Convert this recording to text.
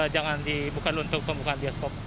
jangan dibuka dulu untuk pembukaan bioskop